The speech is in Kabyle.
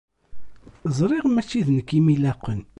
ẓriɣ mačči d nekk i am-ilaqen.